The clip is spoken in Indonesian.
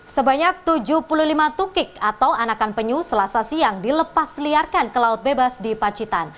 sebanyak tujuh puluh lima tukik atau anakan penyu selasa siang dilepas liarkan ke laut bebas di pacitan